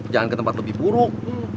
jangan ke tempat lebih buruk